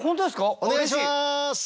お願いします！